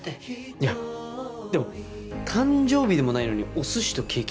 いやでも誕生日でもないのにお寿司とケーキって。